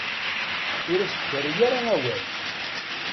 Ur as-d-terri ara awal.